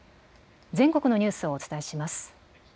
全国のニュースをお伝えします。